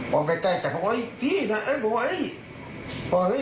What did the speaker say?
ผมไปใกล้จากพี่นะผมว่าเฮ้ย